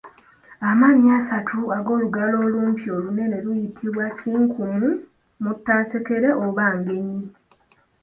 Amanya asatu ag'olugalo olumpi olunene luyitibwa kinkumu, Muttansekere oba Ngenyi.